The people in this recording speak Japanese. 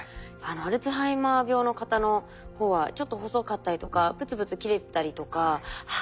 アルツハイマー病の方のほうはちょっと細かったりとかブツブツ切れてたりとかああ